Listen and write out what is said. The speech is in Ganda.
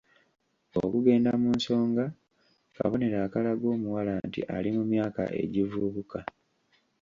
Okugenda mu nsonga kabonero akalaga omuwala nti ali mu myaka egivubuka.